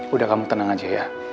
udah kamu tenang aja ya